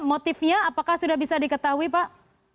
motifnya apakah sudah bisa diketahui pak